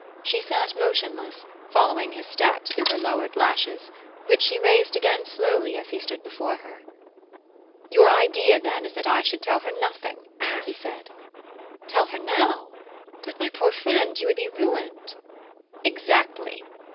She sat motionless, following his steps through her lowered lashes, which she raised again slowly as he stood before her. "Your idea, then, is that I should tell her nothing?" he said. "Tell her now? But, my poor friend, you would be ruined!" "Exactly."